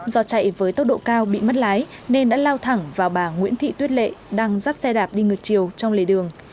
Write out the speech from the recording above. do chạy với tốc độ cao bị mất lái nên đã lao thẳng vào bà nguyễn thị tuyết lệ đang dắt xe đạp đi ngược chiều trong lề đường